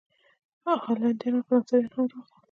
هالینډیان او فرانسویان هم راغلل.